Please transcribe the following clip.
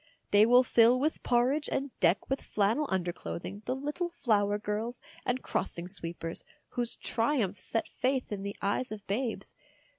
They will fill with porridge and deck with flannel underclothing the little flower girls and crossing sweepers, whose triumphs set faith in the eyes of babes.